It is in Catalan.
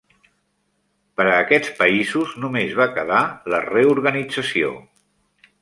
Per a aquests països només va quedar la reorganització.